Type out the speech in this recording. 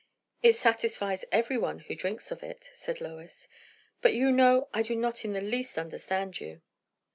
"It satisfies every one who drinks of it," said Lois. "But you know, I do not in the least understand you."